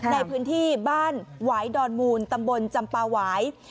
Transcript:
ในพื้นที่บ้านหวายดอนมูลตำบลจำปาหวาย